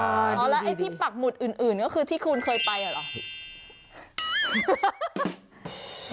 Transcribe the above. แล้วไอ้ที่ปักหมุดอื่นก็คือที่คุณเคยไปเหรอ